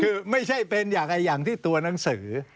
คือไม่ใช่เป็นอย่างที่ตัวหนังสือ